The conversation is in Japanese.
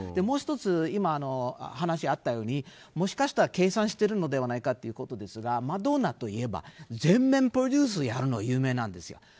もう１つ今話があったようにもしかしたら計算してるのではないかということですがマドンナといえば全面プロデュースをやるので有名なんですよ。